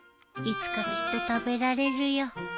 いつかきっと食べられるよ。